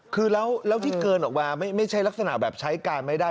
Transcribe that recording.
คือแล้วที่เกินออกมาไม่ใช่ลักษณะแบบใช้การไม่ได้